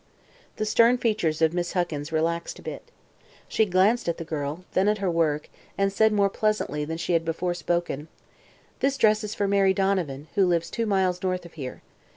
The stern features of Miss Huckins relaxed a bit. She glanced at the girl, then at her work, and said more pleasantly than she had before spoken: "This dress is for Mary Donovan, who lives two miles north of here.